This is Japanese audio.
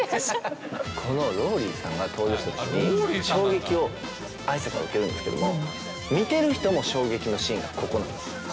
このローリーさんが登場して、衝撃を逢坂は受けるんですけど、見てる人も衝撃のシーンがここなんです。